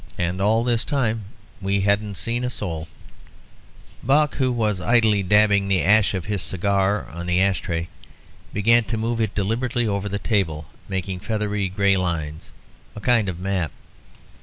And all this time we hadn't seen a soul." [Illustration: Map of the SEAT of WAR.] Buck, who was idly dabbing the ash of his cigar on the ash tray, began to move it deliberately over the table, making feathery grey lines, a kind of map.